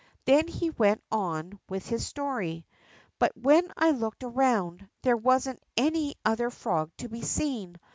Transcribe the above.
Then he Avent on Avith bis story: But Avhen I looked around, there Avasn't an other frog to be seen.